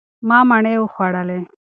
ما مڼې وخوړلې.